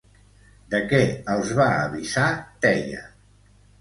De què els va avisar Teia?